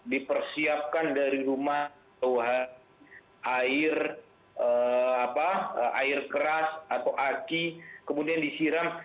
dipersiapkan dari rumah air keras atau aki kemudian disiram